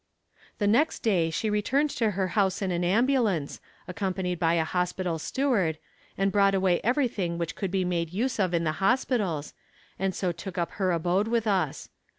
The next day she returned to her house in an ambulance, accompanied by a hospital steward, and brought away everything which could be made use of in the hospitals, and so took up her abode with us.